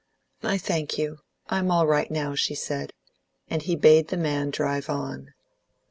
"I thank you; I am all right now," she said, and he bade the man drive on.